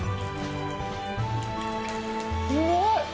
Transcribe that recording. すごい！